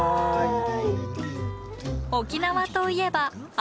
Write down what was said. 沖縄といえば泡盛。